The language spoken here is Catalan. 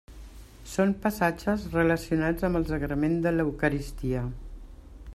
Són passatges relacionats amb el sagrament de l'eucaristia.